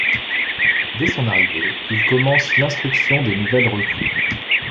Dès son arrivée, il commence l'instruction des nouvelles recrues.